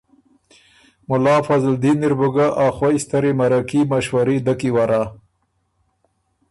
مُلا فضلدین اِر بُو ګۀ ا ستري مرکي، مشوري دۀ کی ورّا